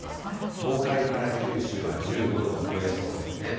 東海から九州は１５度を超えそうですね。